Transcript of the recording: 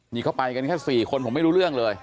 นี่เขาไปกันแค่๔คนผมไม่รู้เรื่องเลย